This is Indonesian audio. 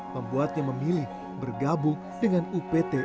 membuatnya memilih bergabung dengan upt